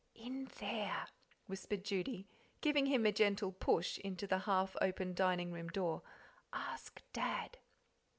"In there," whispered Judy, giving him a gentle push into the half open dining room door; "ask Dad."